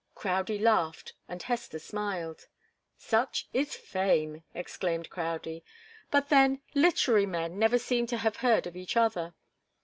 Crowdie laughed, and Hester smiled. "Such is fame!" exclaimed Crowdie. "But then, literary men never seem to have heard of each other."